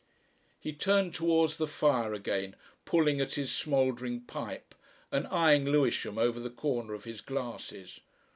He turned towards the fire again, pulling at his smouldering pipe, and eyeing Lewisham over the corner of his glasses.